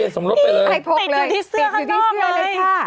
ใส่โพกใบทะเบียนสมรสไปเลยปิดอยู่ที่เสื้อข้างนอกเลย